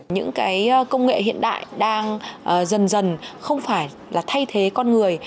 những công nghệ hiện đại đang dần dần không phải là thay thế con người